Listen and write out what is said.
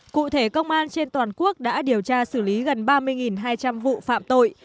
cụ thể công an trên toàn quốc đã điều tra xử lý gần ba mươi hai trăm linh vụ phạm tội